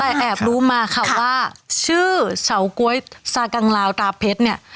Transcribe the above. แต่แอบรู้มาค่ะว่าชื่อเฉาก๊วยซากังลาวตาเพชรเนี่ย